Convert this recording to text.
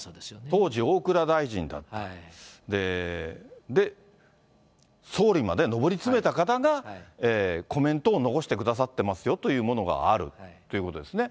当時大蔵大臣だった、で、総理まで上り詰めた方が、コメントを残してくださってますよというものがあるということですね。